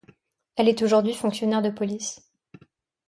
Elle est aujourd'hui fonctionnaire de police.